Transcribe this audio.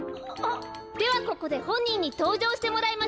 ではここでほんにんにとうじょうしてもらいましょう。